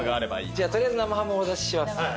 じゃあ取りあえず生ハムをお出しします。